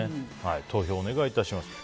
投票をお願いいたします。